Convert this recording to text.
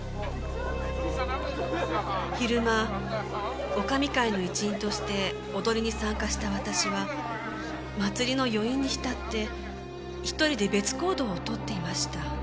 昼間女将会の一員として踊りに参加した私は祭りの余韻に浸って１人で別行動を取っていました。